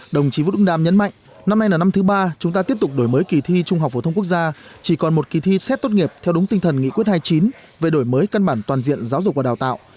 đồng chí vũ đức đam nhấn mạnh năm nay là năm thứ ba chúng ta tiếp tục đổi mới kỳ thi trung học phổ thông quốc gia chỉ còn một kỳ thi xét tốt nghiệp theo đúng tinh thần nghị quyết hai mươi chín về đổi mới căn bản toàn diện giáo dục và đào tạo